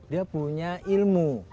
dia punya ilmu